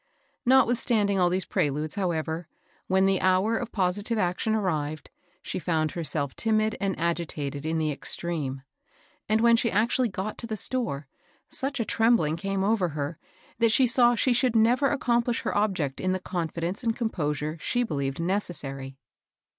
Notwithstanding all these preludes, however, when the hour of positive action arrived she found herself timid and agitated in the extreme ; and when she actually got to the store, such a trem bling came over her, that she saw she should never accomplish her object in the confidence and com THE PAWNBROKER. 22& posure she believed necessary.